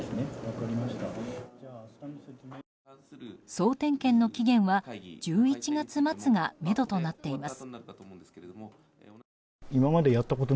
総点検の期限は１１月末がめどとなっています。